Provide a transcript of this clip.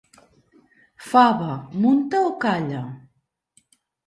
Fava, munta o calla?